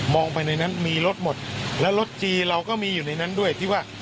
ไปในนั้นมีรถหมดแล้วรถจีเราก็มีอยู่ในนั้นด้วยที่ว่า